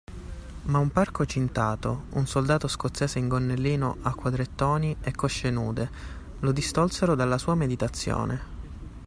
Ma un parco cintato, un soldato scozzese in gonnellino a quadratoni e cosce nude, lo distolsero dalla sua meditazione.